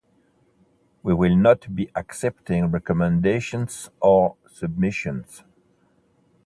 We will not be accepting recommendations or submissions.